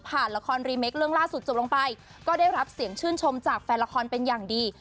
ละครรีเมคเรื่องล่าสุดจบลงไปก็ได้รับเสียงชื่นชมจากแฟนละครเป็นอย่างดี